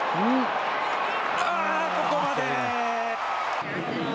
ここまで。